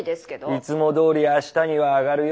いつもどおりあしたには上がるよ。